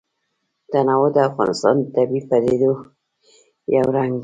تنوع د افغانستان د طبیعي پدیدو یو رنګ دی.